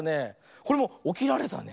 これもおきられたね。